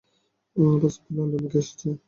প্রস্তাবটি লন্ডন থেকে এসেছে।